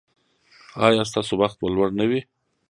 ایا ستاسو بخت به لوړ نه وي؟